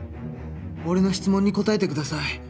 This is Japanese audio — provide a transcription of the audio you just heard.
俺の質問に答えてください